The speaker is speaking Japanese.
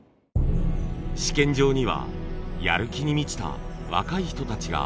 試験場にはやる気に満ちた若い人たちが大勢いました。